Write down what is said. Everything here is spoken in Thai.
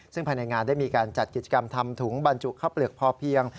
ซึ่งภายในงานได้มีการจัดกิจกรรมทำถุงบรรจุข้าวเปลือกพอเพียง